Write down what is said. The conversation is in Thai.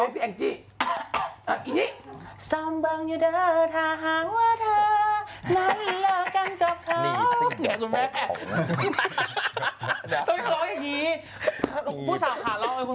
เพลงของน้องแอฟกับยังจะหายต่อคามไง